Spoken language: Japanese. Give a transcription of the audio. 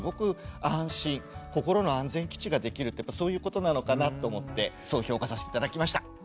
心の安全基地ができるってそういうことなのかなと思ってそう評価させて頂きました。